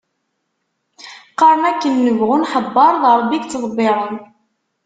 Qqaren akken nebɣu nḥebbeṛ, d Rebbi i yettḍebbiren.